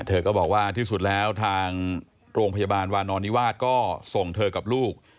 เธอก็บอกว่าที่สุดแล้วทางโรงพยาบาลวานอนนิวาสก็ส่งเธอกับลูก